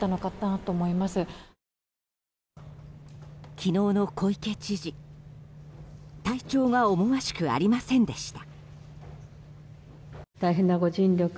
昨日の小池知事、体調が思わしくありませんでした。